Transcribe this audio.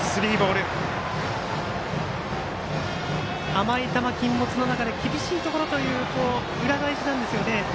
甘い球禁物の中で厳しいところというと裏返しなんですよね。